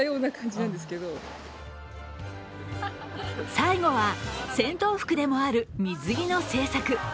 最後は、戦闘服でもある水着の制作。